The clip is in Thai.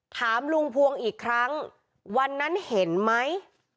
ถามลุงพวงอีกครั้งวันนั้นเห็นไหม